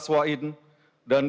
dan ketua umum uni timur aswain